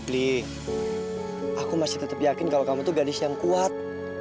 lie aku masih tetap yakin kalau kamu tuh gadis yang kuat